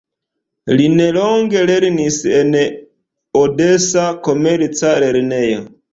Li nelonge lernis en odesa komerca lernejo.